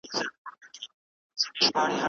هغه په ډېرې نېکۍ د خپل محافظ پوښتنه ځواب کړه.